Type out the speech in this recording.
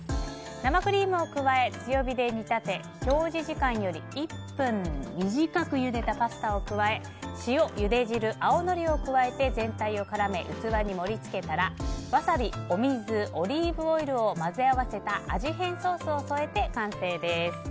生クリームを加え、強火で煮立て表示時間より１分短くゆでたパスタを加え塩、ゆで汁、青のりを加えて全体を絡め、器に盛り付けたらワサビ、お水、オリーブオイルを混ぜ合わせた味変ソースを添えて完成です。